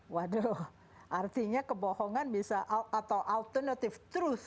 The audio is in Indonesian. waduh artinya kebohongan bisa atau alternative truth